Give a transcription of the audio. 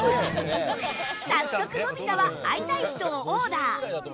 早速、のび太は会いたい人をオーダー。